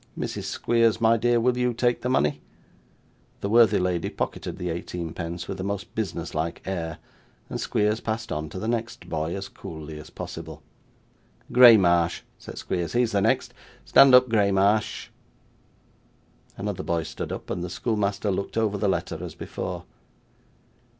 Mrs Squeers, my dear, will you take the money?' The worthy lady pocketed the eighteenpence with a most business like air, and Squeers passed on to the next boy, as coolly as possible. 'Graymarsh,' said Squeers, 'he's the next. Stand up, Graymarsh.' Another boy stood up, and the schoolmaster looked over the letter as before.